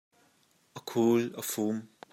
A khul a fum.